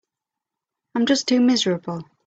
I'm just too miserable.